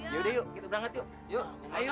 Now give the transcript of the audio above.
yaudah yuk kita berangkat yuk ayo